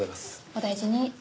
お大事に。